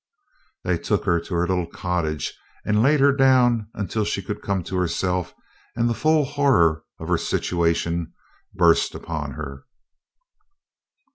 They took her to her little cottage, and laid her down until she could come to herself and the full horror of her situation burst upon her.